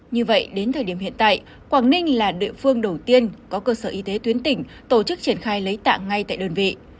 như vậy đến thời điểm hiện tại quảng ninh là địa phương đầu tiên có cơ sở y tế tuyến tỉnh tổ chức triển khai lấy tạng ngay tại đơn vị